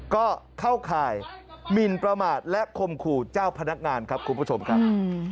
ก็เข้าข่ายหมินประมาทและคมขู่เจ้าพนักงานครับคุณผู้ชมครับ